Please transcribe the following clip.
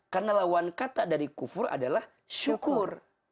karena lawan kata dari kufur adalah syukur